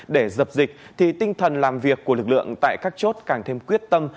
để dập dịch thì tinh thần làm việc của lực lượng tại các chốt càng thêm quyết tâm